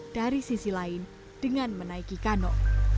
dari sisi lain dengan menaiki kanok